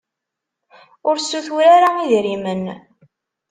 Ur ssutur ara idrimen.